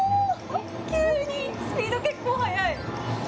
急に、スピード結構速い。